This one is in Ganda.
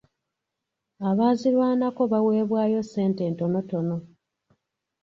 Abaazirwanako baweebwayo ssente etonotono.